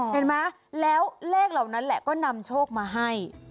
เห็นไหมแล้วเลขเหล่านั้นแหละก็นำโชคมาให้